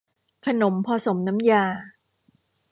ขนมพอสมน้ำยา